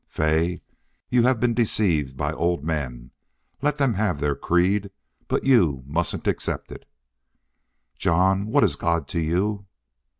"Fay, you have been deceived by old men. Let them have their creed. But YOU mustn't accept it." "John, what is God to you?"